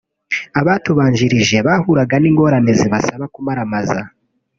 Abatubanjirije bahuraga n’ingorane zibasaba kumaramaza